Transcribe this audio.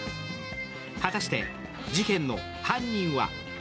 果たして事件の犯人は？